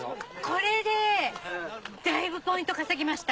これでだいぶポイント稼ぎました。